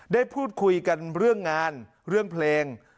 ได้พูดคุยกันเรื่องงานเรื่องเพลง